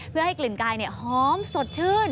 เพื่อให้กลิ่นกายหอมสดชื่น